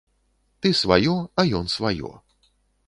Ты сваё, а ён сваё.